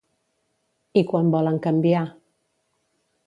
I quan volen canviar?